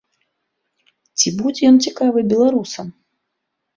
Ці будзе ён цікавы беларусам?